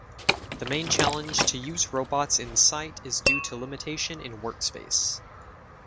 The main challenge to use robots in site is due to limitation in workspace.